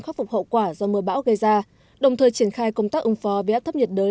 khắc phục hậu quả do mưa bão gây ra đồng thời triển khai công tác ứng phó với áp thấp nhiệt đới